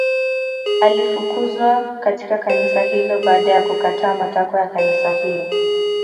Alifukuzwa katika kanisa hilo baada ya kukataa matakwa ya kanisa hilo